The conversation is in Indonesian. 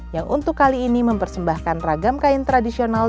yang untuk kali ini mempersembahkan ragam kain tradisional